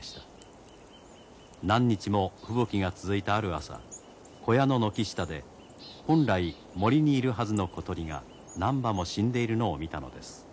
何日も吹雪が続いたある朝小屋の軒下で本来森にいるはずの小鳥が何羽も死んでいるのを見たのです。